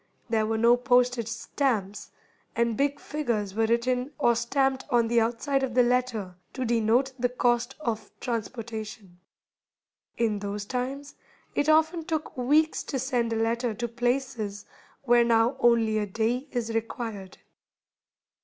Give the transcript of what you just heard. There were no postage stamps, and big figures were written or stamped on the outside of the letter to denote the cost of transportation. In those times it often took weeks to send a letter to places where now only a day is required.